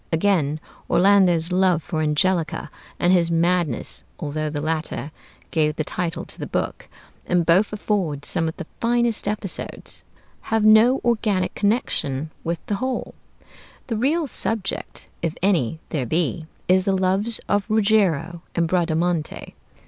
Again, Orlando's love for Angelica, and his madness, although the latter gave the title to the book, and both afford some of the finest episodes, have no organic connection with the whole. The real subject, if any there be, is the loves of Ruggiero and Bradamante.